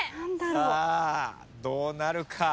さあどうなるか？